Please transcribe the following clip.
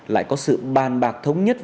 lại có sự bàn bạc thống nhất